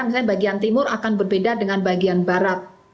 misalnya bagian timur akan berbeda dengan bagian barat